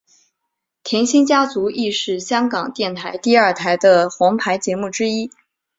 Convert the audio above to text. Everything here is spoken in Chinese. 甜心家族亦是香港电台第二台的皇牌节目之一。